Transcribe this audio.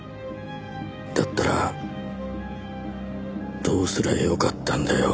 だったらどうすりゃよかったんだよ。